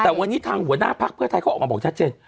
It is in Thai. แต่วันนี้ทางหัวหน้าภักดิ์เพื่อไทยเขาออกมาบอกชัดเจน